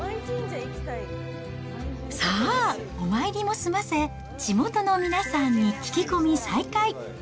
さあ、お参りも済ませ、地元の皆さんに聞き込み再開。